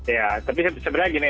ya tapi sebenarnya gini